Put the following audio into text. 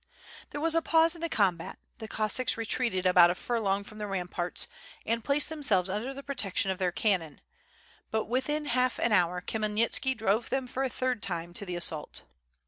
There was a pause in the combat, the Cossacks retreated about a furlong from the ramparts and placed themselves under the protection of their cannon; but within half an hour Khmyelnitski drove them for the third time to the assault.